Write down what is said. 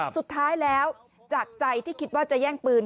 สุดท้ายแล้วจากใจที่คิดว่าจะแย่งปืน